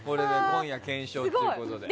今夜検証ということで。